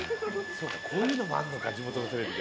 そうかこういうのもあるのか地元のテレビって。